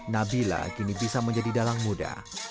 nabila kini bisa menjadi dalang muda